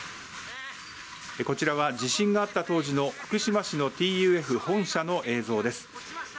こちらは地震があった当時の福島市のＴＵＦ本社の映像です。